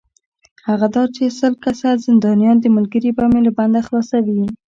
هغه دا چې سل کسه زندانیان ملګري به مې له بنده خلاصوې.